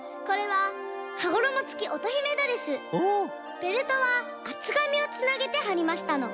ベルトはあつがみをつなげてはりましたの。